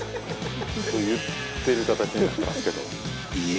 これ言ってる形になってますけどいえ